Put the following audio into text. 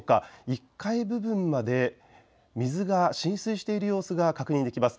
１階部分まで水が浸水している様子が確認できます。